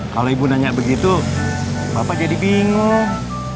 kalau ibu nanya begitu bapak jadi bingung